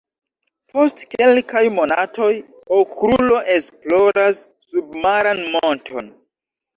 Post kelkaj monatoj, Okrulo esploras submaran monton.